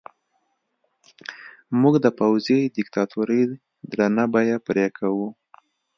موږ د پوځي دیکتاتورۍ درنه بیه پرې کوو.